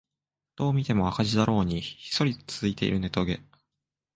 どう見ても赤字だろうにひっそり続いているネトゲ